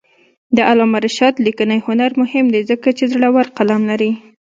د علامه رشاد لیکنی هنر مهم دی ځکه چې زړور قلم لري.